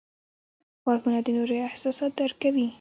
غوږونه د نورو احساسات درک کوي